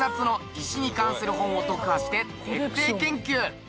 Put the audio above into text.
石に関する本を読破して徹底研究。